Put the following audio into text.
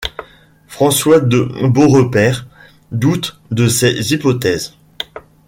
François de Beaurepaire doute de ces hypothèses.